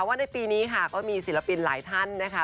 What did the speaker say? ว่าในปีนี้ค่ะก็มีศิลปินหลายท่านนะคะ